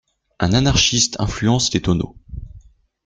Un anarchiste influence les tonneaux.